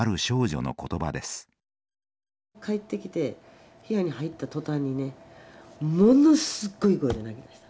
帰ってきて部屋に入ったとたんにねものすごい声で泣きました。